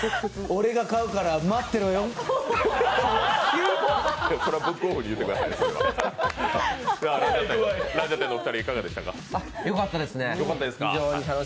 俺が買うから待ってろよ。